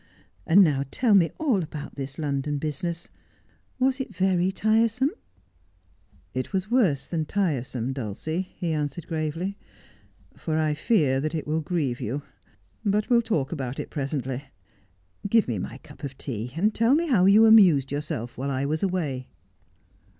And now tell me all about this London business. Was it very tiresome ?'' To the End of the World: 143 s It was worse than tiresome, Dulcie,' he answered gravely, ' for I fear that it will grieve you. But we'll talk about it presently. Give me my cup of tea, and tell me how you amused yourself while I was away.'